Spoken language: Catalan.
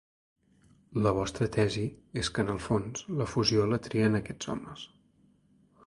La vostra tesi és que en el fons la fusió la trien aquests homes.